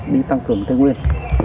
đi tăng cường thương nguyện